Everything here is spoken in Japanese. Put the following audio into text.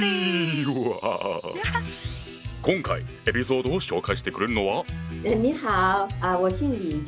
今回エピソードを紹介してくれるのは？